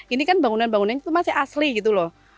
ini kan bangunan bangunan itu masih asli gitu loh